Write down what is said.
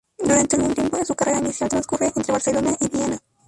Durante algún tiempo de su carrera inicial transcurre entre Barcelona y Viena.